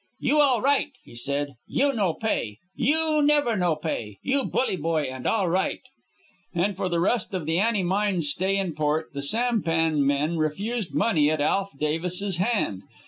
"You all right," he said. "You no pay. You never no pay. You bully boy and all right." And for the rest of the Annie Mine's stay in port, the sampan men refused money at Alf Davis's hand.